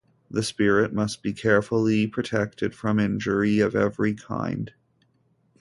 The spirit must be carefully protected from injury of every kind.